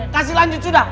kasih lanjut sudah